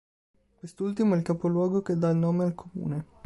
Quest'ultimo è il capoluogo che dà il nome al comune.